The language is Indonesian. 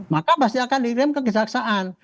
maka pasti akan dikirim kekejaksaan